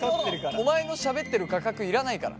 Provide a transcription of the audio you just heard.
お前のしゃべってる画角要らないから！